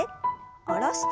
下ろして。